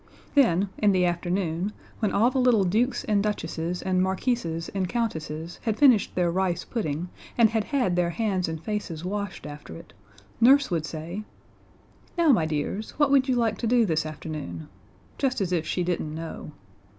Then, in the afternoon, when all the little dukes and duchesses and marquises and countesses had finished their rice pudding and had had their hands and faces washed after it, Nurse would say: "Now, my dears, what would you like to do this afternoon?" just as if she didn't know.